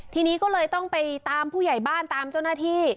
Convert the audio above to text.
ทีนี้ก็เลยต้องไปตามผู้ใหญ่บ้านตามเจ้าหน้าที่